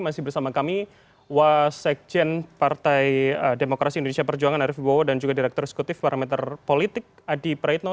masih bersama kami wasekjen partai demokrasi indonesia perjuangan arief ibowo dan juga direktur eksekutif parameter politik adi praitno